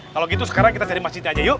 kalau gitu sekarang kita cari masjidnya aja yuk